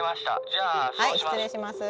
はい失礼します。